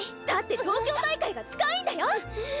だって東京大会が近いんだよ